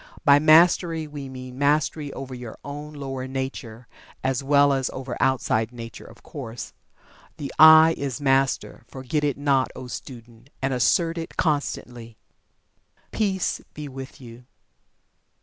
By Mastery, we mean mastery over your own lower nature, as well as over outside nature, of course. The "I" is Master forget it not, O student, and assert it constantly. Peace be with you.